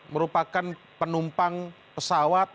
merupakan penumpang pesawat